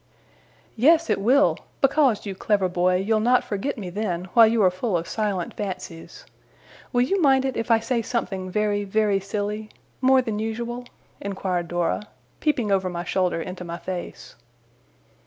'Yes, it will! Because, you clever boy, you'll not forget me then, while you are full of silent fancies. Will you mind it, if I say something very, very silly? more than usual?' inquired Dora, peeping over my shoulder into my face.